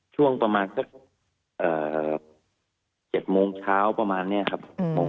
ช่วงประมาณสัก๗โมงเช้าประมาณนี้ครับ